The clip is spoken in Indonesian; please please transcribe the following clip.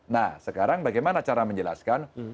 nah sekarang bagaimana cara menjelaskan